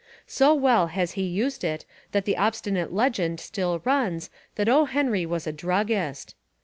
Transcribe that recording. So well has he used it that the obsti nate legend still runs that O. Henry was a drug gist.